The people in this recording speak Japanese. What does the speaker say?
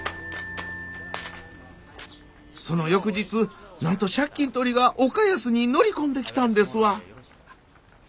その翌日なんと借金取りが岡安に乗り込んできたんですわ。